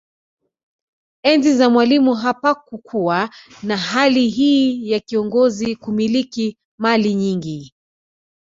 Enzi za Mwalimu hapakukuwa na hali hii ya kiongozi kumiliki mali nyingi